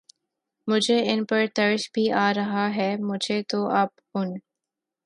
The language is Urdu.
مجھے ان پر ترس بھی آ رہا ہے، مجھے تو اب ان